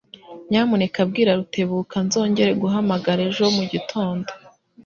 Nyamuneka bwira Rutebuka nzongera guhamagara ejo mugitondo.